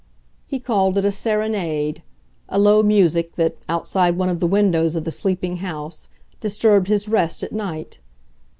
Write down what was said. He called it a "serenade," a low music that, outside one of the windows of the sleeping house, disturbed his rest at night.